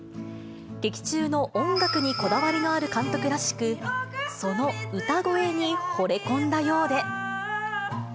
劇中の音楽にこだわりのある監督らしく、その歌声にほれ込んだようで。